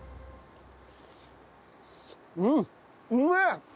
うんうめえ！